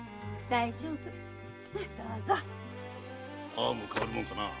ああも変わるものかな？